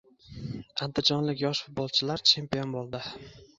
Andijonlik yosh futbolchilar chempion bo‘ldi